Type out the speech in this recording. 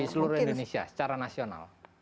di seluruh indonesia secara nasional